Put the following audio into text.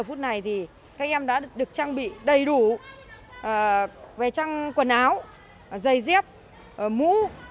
phút này thì các em đã được trang bị đầy đủ về trang quần áo giày dép mũ